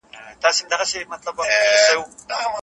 کله چي موږ د هیلې ځواک ته اړتیا لرو، نو د عمل وخت دی.